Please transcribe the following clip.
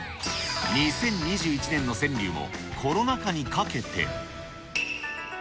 ２０２１年の川柳も、コロナ禍にかけて。